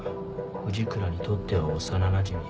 藤倉にとっては幼なじみ。